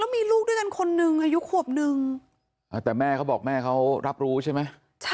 มีลูกด้วยกันคนนึงอายุขวบนึงแต่แม่เขาบอกแม่เขารับรู้ใช่ไหม